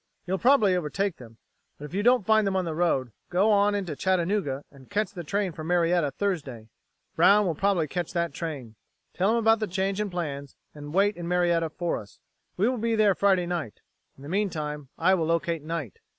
You'll probably overtake them, but if you don't find them on the road, go into Chattanooga and catch the train for Marietta Thursday. Brown will probably catch that train. Tell him about the change in plans, and wait in Marietta for us. We will be there Friday night. In the meantime, I will locate Knight.